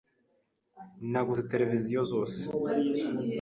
Naguze televiziyo zose.